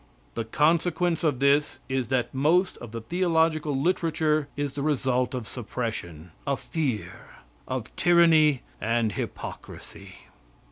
The consequence of this is that most of the theological literature is the result of suppression, of fear, of tyranny, and hypocrisy.